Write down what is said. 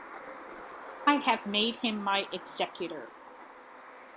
I have made him my executor.